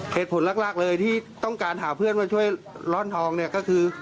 เหตุผลแรกเลยที่ต้องการหาเพื่อนมาช่วยร่อนทองเนี่ยก็คือ